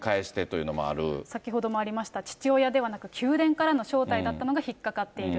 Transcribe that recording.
先ほどもありました、父親ではなく宮殿からの招待だったのが引っ掛かっている。